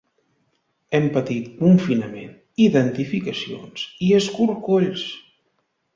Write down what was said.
Hem patit confinament, identificacions i escorcolls.